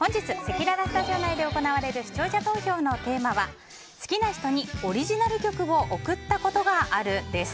本日、せきららスタジオ内で行われる視聴者投票のテーマは好きな人にオリジナル曲を贈ったことがあるです。